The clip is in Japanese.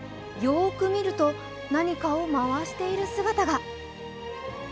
よーく見ると、何かを回している姿が。